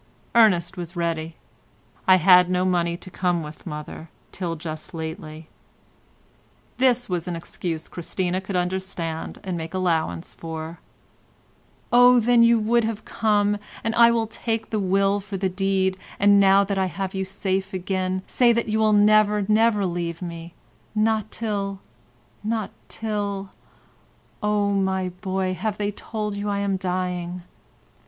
Ernest was ready. "I had no money to come with, mother, till just lately." This was an excuse Christina could understand and make allowance for; "Oh, then you would have come, and I will take the will for the deed—and now that I have you safe again, say that you will never, never leave me—not till—not till—oh, my boy, have they told you I am dying?"